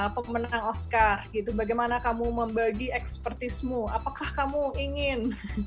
pemenang oscar bagaimana kamu membagi ekspertismu apakah kamu ingin